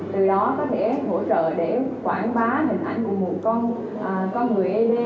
từ đó có thể hỗ trợ để quảng bá hình ảnh của một con người ad